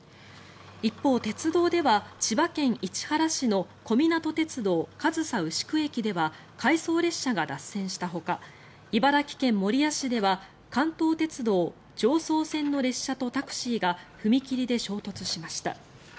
一方、鉄道では千葉県市原市の小湊鉄道上総牛久駅では回送列車が脱線したほか茨城県守谷市では関東鉄道常総線の列車とタクシーが踏切で衝突しました。